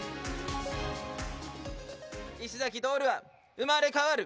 石崎徹は生まれ変わる。